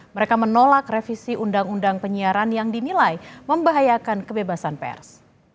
mereka menolak revisi undang undang penyiaran yang dinilai membahayakan kebebasan pers